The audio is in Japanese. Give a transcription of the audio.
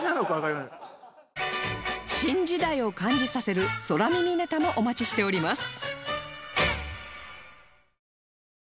新時代を感じさせる空耳ネタもお待ちしております